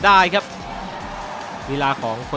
สนามโรงเรียนสมุทรสาคอนวุฒิชัย